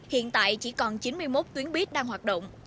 hiện tại chỉ còn chín mươi một tuyến buýt đang hoạt động